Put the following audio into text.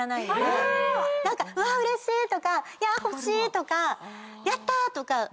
うわうれしい！とか欲しい！とかやった！とか。